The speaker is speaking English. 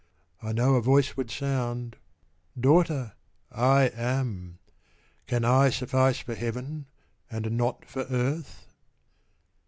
I know a Voice would sound, " Daughter, I AM. Can I suffice for Heaven, and not for earth